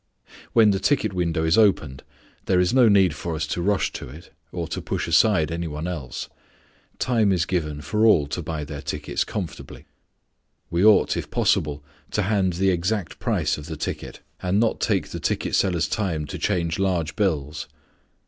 When the ticket window is opened there is no need for us to rush to it or to push aside any one else. Time is given for all to buy their tickets comfortably. We ought, if possible, to hand the exact price of the ticket, and not take the ticket seller's time to change large bills.